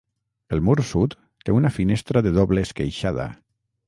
El mur sud té una finestra de doble esqueixada.